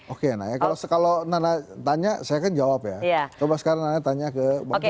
oke nah ya kalau nana tanya saya kan jawab ya coba sekarang nana tanya ke bang donald